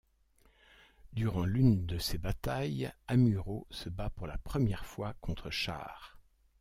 Durant l’une de ces batailles, Amuro se bat pour la première fois contre Char.